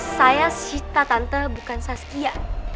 saya shita tante bukan saskia